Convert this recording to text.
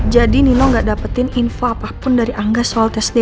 jadi nino gak dapetin info apapun dari angga soal tes dna itu